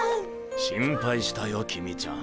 心配したよ公ちゃん。